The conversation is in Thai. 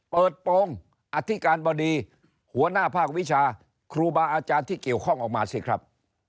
โปรงอธิการบดีหัวหน้าภาควิชาครูบาอาจารย์ที่เกี่ยวข้องออกมาสิครับ